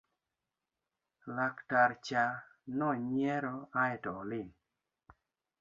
laktar cha nonyiero aeto oling'